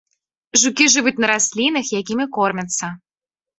Жукі жывуць на раслінах, якімі кормяцца.